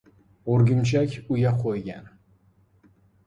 O‘rgimchak uya ko‘ygan